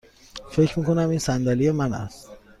فکر می کنم این صندلی من است.